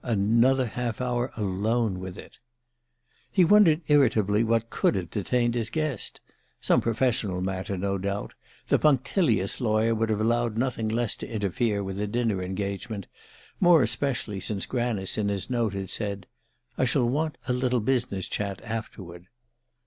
Another half hour alone with it! He wondered irritably what could have detained his guest. Some professional matter, no doubt the punctilious lawyer would have allowed nothing less to interfere with a dinner engagement, more especially since Granice, in his note, had said: "I shall want a little business chat afterward."